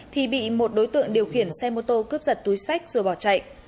thì bị một đối tượng điều khiển xe mô tô cướp giật túi sách rồi bỏ chạy